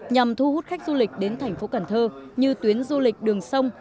nhằm thu hút khách du lịch đến tp cần thơ như tuyến du lịch đường sông